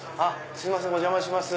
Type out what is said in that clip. すいませんお邪魔します。